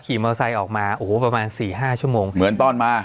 มอไซค์ออกมาโอ้โหประมาณสี่ห้าชั่วโมงเหมือนตอนมา